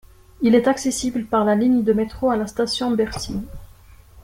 Il est accessible par la ligne de métro à la station Bercy.